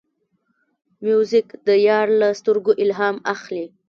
موزیک د یار له سترګو الهام اخلي.